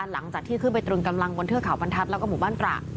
หลังจากที่ขึ้นไปตรึงกำลังบนเทือกเขาบรรทัศน์แล้วก็หมู่บ้านตระ